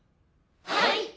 はい！